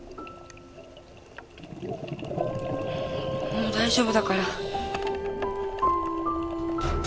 もう大丈夫だから。